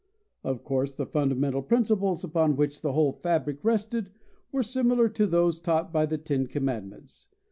Of course, the fundamental principles upon which the whole fabric rested were similar to those taught by the ten commandments.